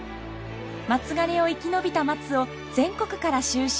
松枯れを生き延びた松を全国から収集。